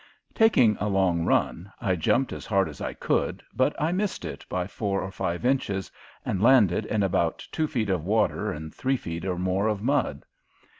Taking a long run, I jumped as hard as I could, but I missed it by four or five inches and landed in about two feet of water and three feet more of mud.